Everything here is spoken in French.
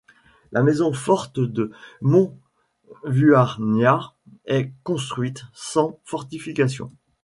La maison-forte de Montvuagnard est construite sans fortification.